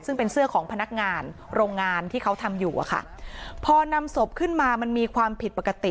ซึ่งเป็นเสื้อของพนักงานโรงงานที่เขาทำอยู่อะค่ะพอนำศพขึ้นมามันมีความผิดปกติ